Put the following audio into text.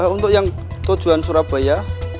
untuk yang tujuan surabaya